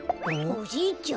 おじいちゃん？